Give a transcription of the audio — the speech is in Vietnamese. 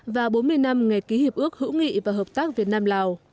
và bốn mươi năm ngày ký hiệp ước hữu nghị và hợp tác việt nam lào